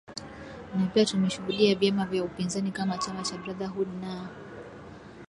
na pia tumeshuhudia vyama vya upinzani kama chama cha brotherhood na